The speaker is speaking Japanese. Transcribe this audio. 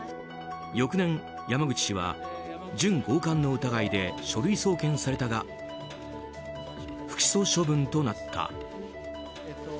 翌年、山口氏は準強姦の疑いで書類送検されたが不起訴処分となった。